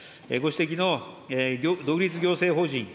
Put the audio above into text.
ご指摘の独立行政法人